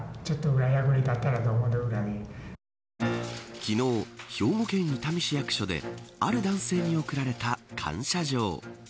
昨日、兵庫県伊丹市役所である男性に贈られた感謝状。